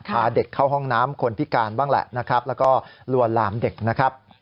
พาเด็กเข้าห้องน้ำคนพิการบ้างแหละนะครับแล้วก็ลวนลามเด็กนะครับ